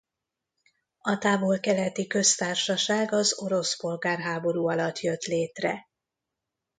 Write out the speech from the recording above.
A Távol-keleti Köztársaság az orosz polgárháború alatt jött létre.